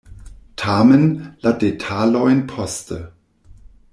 Tamen, la detalojn poste.